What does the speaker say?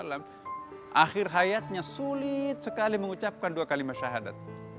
akhir hayatnya sulit sekali mengucapkan dua kalimat syahadat